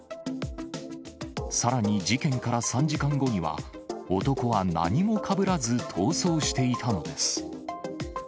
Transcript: さらに事件から３時間後には、男は何もかぶらず、逃走していたのです。